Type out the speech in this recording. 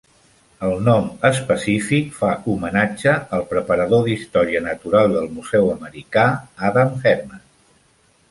El nom específic va homenatge al preparador d'Història Natural del Museu Americà, Adam Hermann.